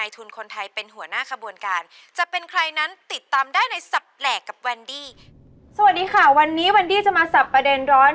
สวัสดีค่ะวันนี้วันนี้จะมาสับประเด็นร้อน